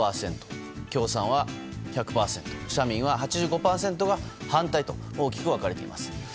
共産は１００％社民は８５％が反対と大きく分かれています。